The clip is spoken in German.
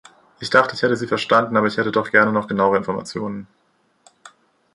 Ich dachte, ich hätte Sie verstanden, aber ich hätte doch gerne noch genauere Informationen.